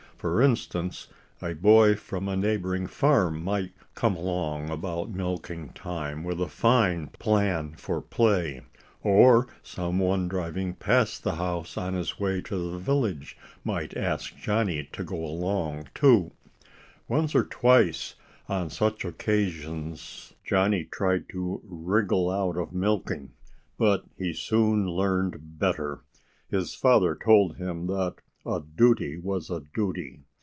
For instance, a boy from a neighboring farm might come along about milking time with a fine plan for play. Or someone driving past the house on his way to the village might ask Johnnie to go along too. Once or twice, on such occasions, Johnnie tried to wriggle out of milking. But he soon learned better. His father told him that a duty was a duty.